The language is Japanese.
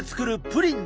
プリン！